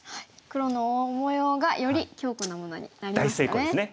黒の大模様がより強固なものになりましたね。